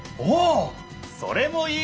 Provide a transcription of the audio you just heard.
それもいいね！